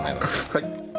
はい。